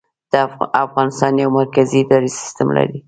افغانستان یو مرکزي اداري سیستم لري